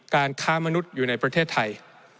การค้ามนุษย์อยู่ในประเทศไทย